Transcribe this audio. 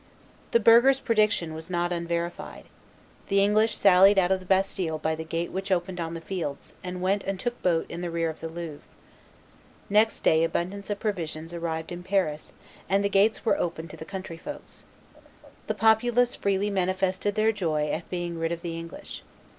The burghers' prediction was not unverified. The English sallied out of the Bastille by the gate which opened on the fields, and went and took boat in the rear of the Louvre. Next day abundance of provisions arrived in Paris; and the gates were opened to the country folks. The populace freely manifested their joy at being rid of the English.